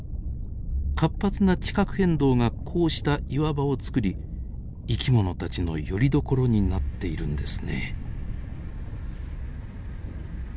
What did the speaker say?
活発な地殻変動がこうした岩場をつくり生き物たちのよりどころになっているんですね。